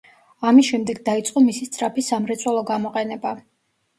ამის შემდეგ დაიწყო მისი სწრაფი სამრეწველო გამოყენება.